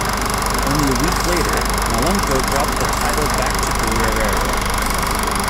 Only a week later, Malenko dropped the title back to Guerrero.